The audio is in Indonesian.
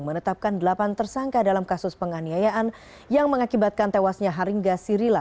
menetapkan delapan tersangka dalam kasus penganiayaan yang mengakibatkan tewasnya haringga sirila